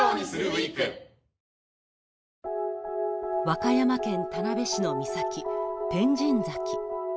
和歌山県田辺市の岬、天神崎。